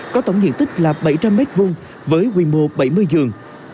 có tổng diện tích là bảy trăm linh m hai với quy mô bảy mươi giường